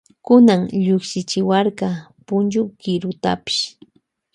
Kunan llukchiwarka puchu kirutapash.